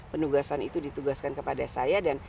penugasan itu ditugaskan kepada saya dan